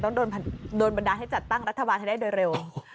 ต้องโดนบันดาลให้จัดตั้งรัฐบาลให้ได้โดยเร็ว